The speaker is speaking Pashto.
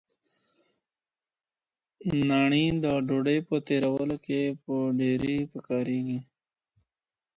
ڼاڼي د ډوډۍ په تېرولو کي ېه ډېري په کارېږي .